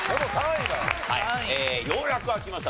ようやく開きました。